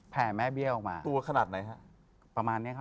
ใหญ่ประมาณ๒นิ้ว